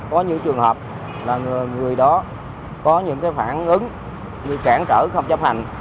có những trường hợp là người đó có những phản ứng bị cản trở không chấp hành